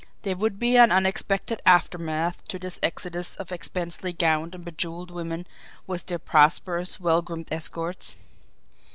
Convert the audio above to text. There would be an unexpected aftermath to this exodus of expensively gowned and bejewelled women with their prosperous, well groomed escorts!